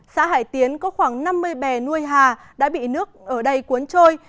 xã hải tiến có khoảng năm mươi bè nuôi hà đã bị nước ở đây cuốn trôi